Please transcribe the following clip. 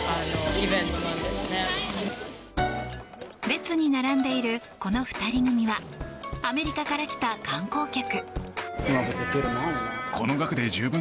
列に並んでいるこの２人組はアメリカから来た観光客。